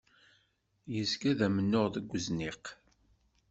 Yezga d amennuɣ deg uzniq.